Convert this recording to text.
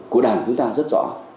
của đảng chúng ta rất rõ